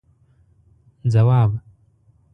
ځواب: